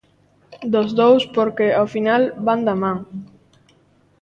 Dos dous porque, ao final, van da man.